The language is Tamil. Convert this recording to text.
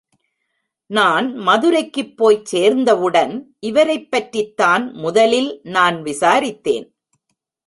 நான் மதுரைக்குப் போய்ச் சேர்ந்தவுடன் இவரைப்பற்றிதான் முதலில் நான் விசாரித்தேன்.